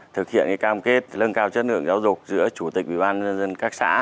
thực hiện cam kết lân cao chất lượng giáo dục giữa chủ tịch ubnd các xã